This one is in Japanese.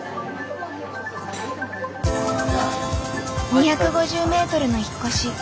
２５０メートルの引っ越し。